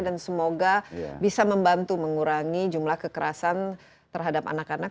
dan semoga bisa membantu mengurangi jumlah kekerasan terhadap anak anak